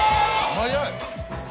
早い！